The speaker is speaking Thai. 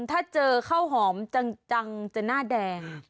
ถ้าเจอข้าวหอมจังจะหน้าแดง